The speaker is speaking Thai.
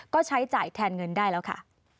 ก็ใช้จ่ายแทนเงินได้แล้วค่ะ